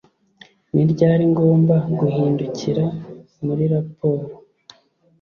Ni ryari ngomba guhindukira muri raporo